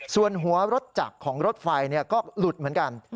ส่วนหัวรถจักรของรถไฟก็หลุดเหมือนกัน